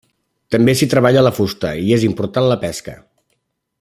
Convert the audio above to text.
També s'hi treballa la fusta, i hi és important la pesca.